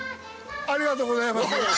ありがとうございます。